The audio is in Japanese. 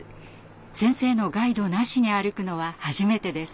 先生のガイドなしに歩くのは初めてです。